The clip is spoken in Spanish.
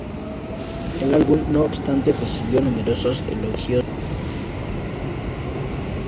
El álbum, no obstante, recibió numerosos elogios de los críticos.